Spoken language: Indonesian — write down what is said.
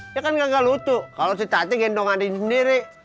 ya kan gak ngalut tuh kalau si tati gendonganin sendiri